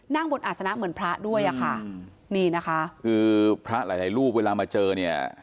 นั่งบนอาศนะเหมือนพระด้วยอะค่ะนี่นะคะคือพระหลายหลายรูปเวลามาเจอเนี่ย